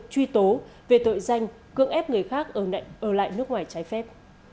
truy tố về tội danh cưỡng ép người khác ở lại nước ngoài trái phép